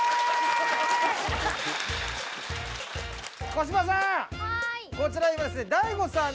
小芝さん。